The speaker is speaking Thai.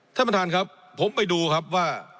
ท่านประธานครับผมไปดูครับว่า